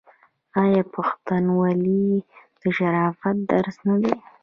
آیا پښتونولي د شرافت درس نه دی؟